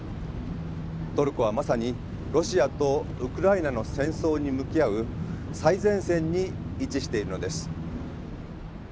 トルコはまさにロシアとウクライナの戦争に向き合う最前線に位置しているのです。